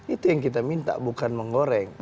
itu yang kita minta bukan menggoreng